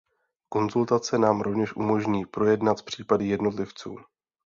Konzultace nám rovněž umožní projednat případy jednotlivců.